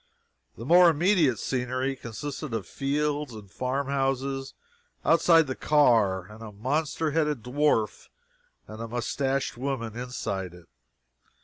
The more immediate scenery consisted of fields and farm houses outside the car and a monster headed dwarf and a moustached woman inside it.